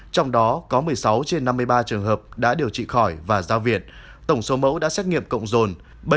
trong đó có một mươi sáu trên năm mươi ba trường hợp đã điều trị khỏi và giao viện tổng số mẫu đã xét nghiệm cộng rồn bảy năm trăm một mươi năm